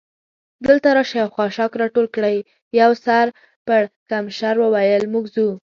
دلته راشئ او خاشاک را ټول کړئ، یوه سر پړکمشر وویل: موږ ځو.